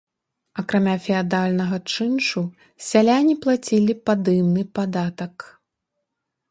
Акрамя феадальнага чыншу, сяляне плацілі падымны падатак.